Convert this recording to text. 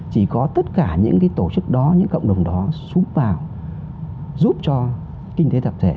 chỉ có tất cả những cái tổ chức đó những cộng đồng đó xuống vào giúp cho kinh tế thập thể